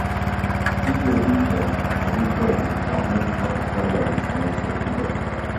Hivyo vipya havikuwa vikifahamika hapo kabla na sayansi ya tiba